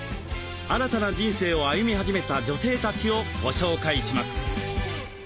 新たな人生を歩み始めた女性たちをご紹介します。